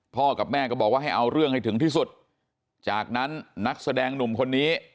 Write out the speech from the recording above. กับแม่ก็บอกว่าให้เอาเรื่องให้ถึงที่สุดจากนั้นนักแสดงหนุ่มคนนี้